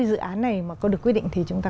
dự án này mà có được quyết định thì chúng ta